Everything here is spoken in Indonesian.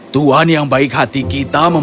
tuhan yang baik hati kita